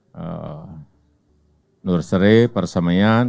bangun nursery persamaian